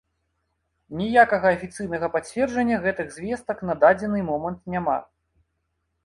Ніякага афіцыйнага пацверджання гэтых звестак на дадзены момант няма.